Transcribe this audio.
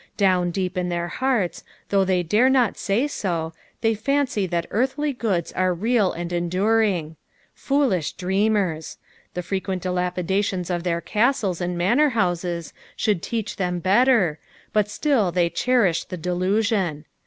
D6wn deep in their hearts, though they dare not say so, they fancy that earthly goods are real and enduring. Foolish dreamers 1 The frequent dilapidations of their castles and manor houses should teach them better, bnt still they cherish the delusion.